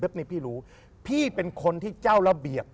พี่รู้พี่เป็นคนที่เจ้าระเบียบ